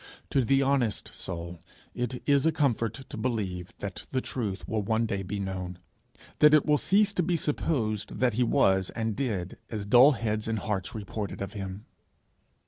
To the honest soul it is a comfort to believe that the truth will one day be known, that it will cease to be supposed that he was and did as dull heads and hearts reported of him.